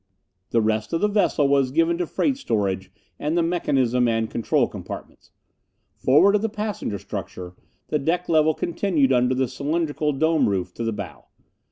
The rest of the vessel was given to freight storage and the mechanism and control compartments. Forward of the passenger structure the deck level continued under the cylindrical dome roof to the bow.